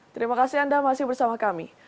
terima kasih anda masih bersama kami